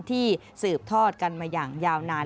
สืบทอดกันมาอย่างยาวนาน